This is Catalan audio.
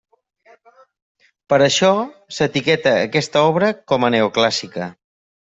Per això s'etiqueta aquesta obra com a Neoclàssica.